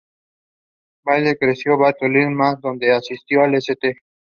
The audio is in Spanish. Weigel creció en Baltimore, Maryland, donde asistió al St.